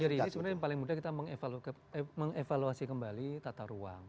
jadi banjir ini paling mudah kita mengevaluasi kembali tata ruang